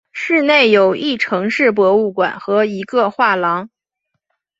市内有一城市博物馆和一个画廊。